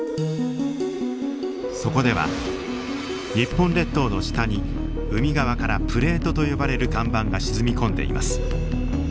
そこでは日本列島の下に海側からプレートと呼ばれる岩盤が沈み込んでいます。